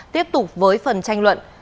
tiếp tục với phần tranh luận